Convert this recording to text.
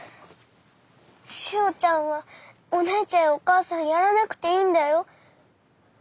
しおちゃんはお姉ちゃんやお母さんやらなくていいんだよ。